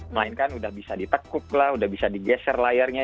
melainkan udah bisa ditekuk lah udah bisa digeser layarnya